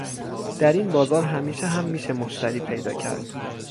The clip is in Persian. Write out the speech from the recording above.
در این بازار همیشه هم میشه مشتری پیدا کرد